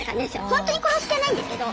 本当に殺す気はないんですけど。